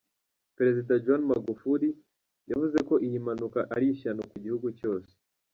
Perezida John magufuli yavuze ko iyi mpanuka ari "ishyano ku gihugu cyose".